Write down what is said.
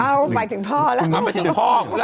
เอ้าไปถึงพ่อแล้ว